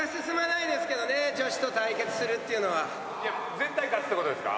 絶対勝つって事ですか？